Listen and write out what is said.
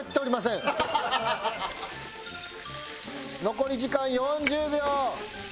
残り時間４０秒。